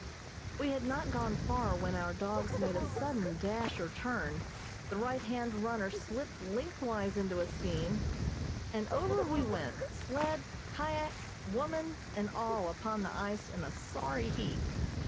We had not gone far when our dogs made a sudden dash or turn, the right hand runner slipped lengthwise into a seam, and over we went, sled, kyak, woman and all upon the ice in a sorry heap.